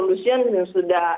dan yang sudah